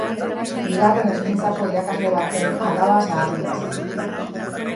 Bigarren hezkuntzako irakasle baten alaba zaharrena zen.